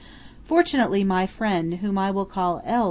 Fortunately my friend (whom I will call L.